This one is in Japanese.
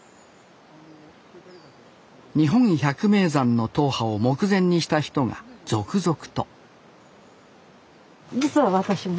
日本百名山の踏破を目前にした人が続々と実は私も。